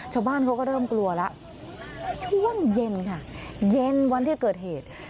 ชาวบ้านเขาก็เริ่มกลัวแล้วช่วงเย็นค่ะเย็นวันที่เกิดเหตุ